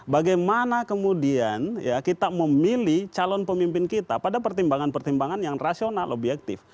bagaimana kemudian kita memilih calon pemimpin kita pada pertimbangan pertimbangan yang rasional objektif